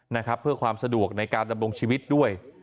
นะครับเพื่อความสะดวกในการดำรงชีวิตด้วย